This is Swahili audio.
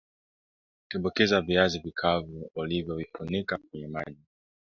Tumbukiza viazi vikavu ulivyovifunika kwenye maji